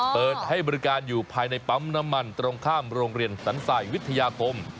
เปิดให้บริการอยู่ภายในปั๊มน้ำมันตรงข้ามโรงเรียนสันสายวิทยาคม